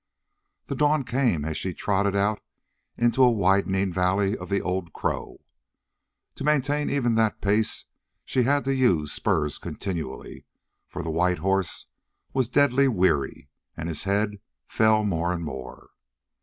The dawn came as she trotted out into a widening valley of the Old Crow. To maintain even that pace she had to use the spurs continually, for the white horse was deadly weary, and his head fell more and more.